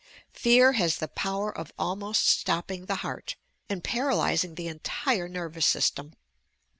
Fear has the power of almost stopping the heart and paralyzing the entire nervous system.